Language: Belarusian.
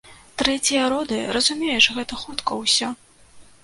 Трэція роды, разумееш, гэта хутка ўсё.